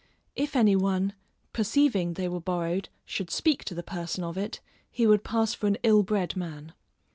If any one, perceiving they were borrowed, should speak to the person of it, he would pass for an ill bred man.